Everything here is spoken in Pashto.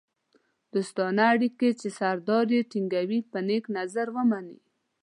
دوستانه اړیکې چې سردار یې ټینګوي په نېک نظر ومني.